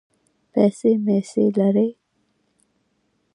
پیسې مېسې لرې.